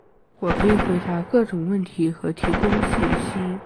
我可以回答各种问题和提供信息。